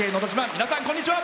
皆さん、こんにちは！